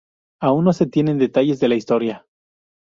Aún no se tienen detalles de la historia.